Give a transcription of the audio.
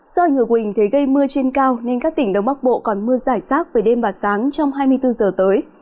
do ảnh hưởng của hình thế gây mưa trên cao nên các tỉnh đông bắc bộ còn mưa giải sát về đêm và sáng trong hai mươi bốn h tới